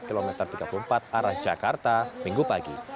kilometer tiga puluh empat arah jakarta minggu pagi